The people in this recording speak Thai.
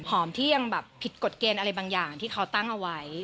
หอมที่ยังแบบผิดกฎเกณฑ์อะไรบางอย่างที่เขาตั้งเอาไว้